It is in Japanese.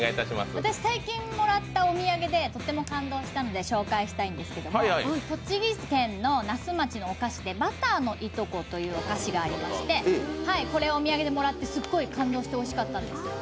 私、最近もらったお土産でとても感動したので紹介したいんですけど栃木県の那須町のお菓子で、バターのいとこというお菓子がありまして、これ、お土産でもらってすっごい感動しておいしかったんですよ。